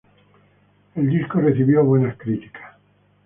El disco recibió buenas críticas.